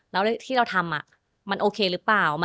แล้วที่เราทำมันโอเคหรือเปล่า